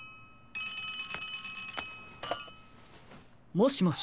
☎もしもし。